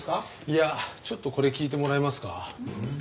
いやちょっとこれ聞いてもらえますか？